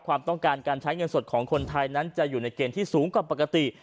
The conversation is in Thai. ความต้องการการใช้เงินสดของคนไทยนั้นจะอยู่ในเกณฑ์ที่สูงกว่าปกติ